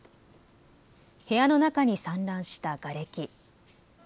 部屋の中に散乱したがれき。